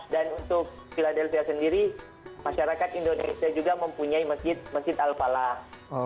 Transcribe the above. dan untuk philadelphia sendiri masyarakat indonesia juga mempunyai masjid al falah